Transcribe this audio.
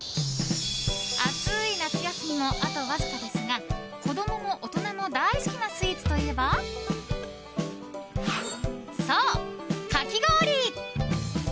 暑い夏休みもあとわずかですが子供も大人も大好きなスイーツといえばそう、かき氷。